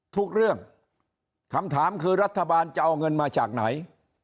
ทุกเรื่องคำถามคือรัฐบาลจะเอาเงินมาจากไหน